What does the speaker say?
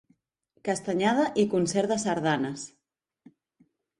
Castanyada i concert de sardanes.